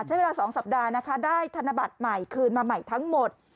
ใช้เวลา๒สัปดาห์นะคะได้ธนบัตรใหม่คืนมาใหม่ทั้งหมด